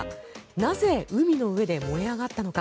なぜ、海の上で燃え上がったのか。